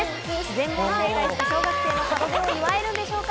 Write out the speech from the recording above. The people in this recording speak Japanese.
全問正解して小学生の門出を祝えるでしょうか？